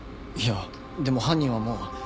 いやでも犯人はもう。